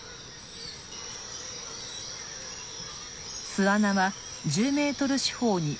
巣穴は１０メートル四方におよそ５０。